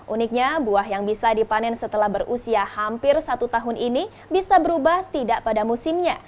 uniknya buah yang bisa dipanen setelah berusia hampir satu tahun ini bisa berubah tidak pada musimnya